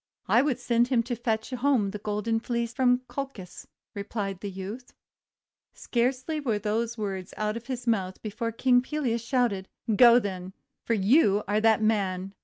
'I would send him to fetch home the Golden Fleece from Colchis," replied the youth. Scarcely were these words out of his mouth before King Pelias shouted :— 'Go, then, for you are that man!